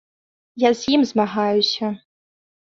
Я з ім змагаюся.